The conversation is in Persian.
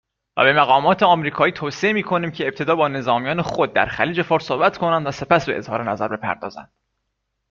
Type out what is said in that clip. وبه مقامات آمریکایی توصیه می کنیم که ابتدا با نظامیان خود در خلیج فارس صحبت کنند و سپس به اظهار نظر بپردازند